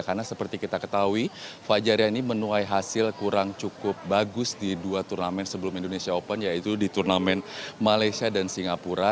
karena seperti kita ketahui fajar rian ini menuai hasil kurang cukup bagus di dua turnamen sebelum indonesia open yaitu di turnamen malaysia dan singapura